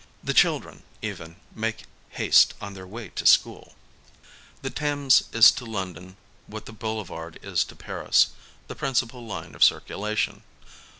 The children, even, make haste on their way to school. The Thames is to London what the boulevard is to 50 LONDON Paris,— the principal line of circulation.